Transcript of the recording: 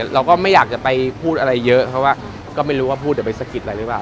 เราก็ไม่อยากจะไปพูดอะไรเยอะเพราะว่าก็ไม่รู้ว่าพูดเดี๋ยวไปสะกิดอะไรหรือเปล่า